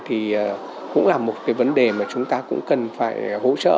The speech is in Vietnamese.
thì cũng là một cái vấn đề mà chúng ta cũng cần phải hỗ trợ